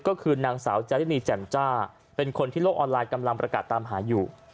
ก็คือนางสาวจารินีแจ่มจ้าเป็นคนที่โลกออนไลน์กำลังประกาศตามหาอยู่